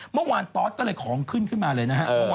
เมื่อวานต๊อตก็เลยของขึ้นขึ้นมาเลยนะฮะ